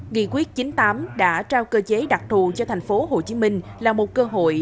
nghị quyết chín mươi tám đã trao cơ chế đặc thù cho thành phố hồ chí minh là một cơ hội